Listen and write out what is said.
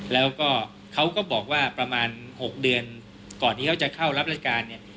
แล้วก็เขาก็บอกว่าประมาณ๖เดือนก่อนที่เขาจะเข้ารับราชการเนี่ย